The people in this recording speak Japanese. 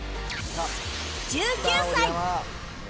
１９歳